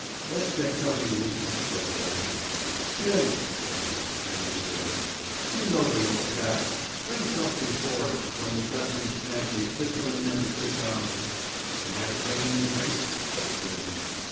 'Let's get something to eat,' said the boatswain. 'Jim,' said he, turning to Gordon, 'you know the ropes aft. Bring something for'ard from the Dutchman's pantry fit for the men to sit down to.' 'Am I to bring any drink?' says Gordon.